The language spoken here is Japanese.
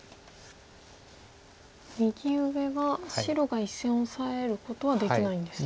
右上は白が１線オサえることはできないんですね。